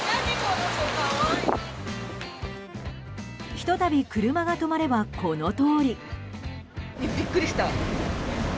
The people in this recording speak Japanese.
ひと度、車が止まればこのとおり。